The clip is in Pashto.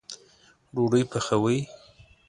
ډوډۍ پخوئ